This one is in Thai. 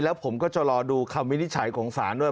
แล้วผมก็จะรอดูคำวินิจฉัยของศาลด้วย